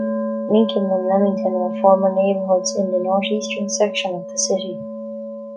Lincoln and Lemington were former neighborhoods in the northeastern section of the city.